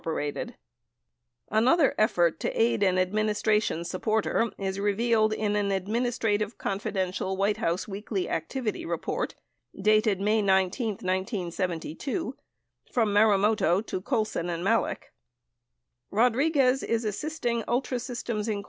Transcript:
— Another effort to aid an administration supporter is revealed in an "Administrative Confidential" White House weekly activity report, dated May 19, 1972, from Marumoto to Colson and Malek : Rodriguez is assisting Ultrasystems, Inc.